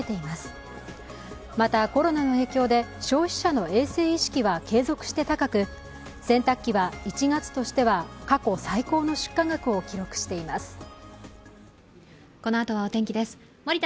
またコロナの影響で消費者の衛生意識は継続して高く、洗濯機は１月としては過去最高の出荷額を記録しています。